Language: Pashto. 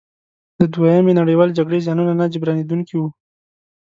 د دویمې نړیوالې جګړې زیانونه نه جبرانیدونکي وو.